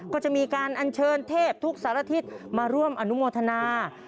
ก็จะมีการอัญเชิญเทพทุกสารทิศมาร่วมอนุโมทนา